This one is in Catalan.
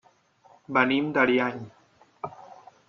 Venim d'Ariany.